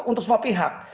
untuk semua pihak